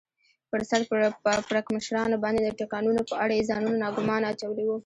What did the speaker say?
پر سر پړکمشرانو باندې د ټکانونو په اړه یې ځانونه ناګومانه اچولي و.